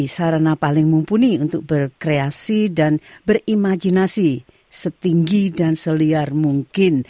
karena paling mumpuni untuk berkreasi dan berimajinasi setinggi dan seliar mungkin